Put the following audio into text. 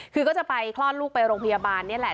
คือก็จะไปคลอดลูกไปโรงพยาบาลนี่แหละ